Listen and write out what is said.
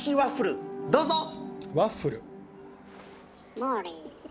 モーリー。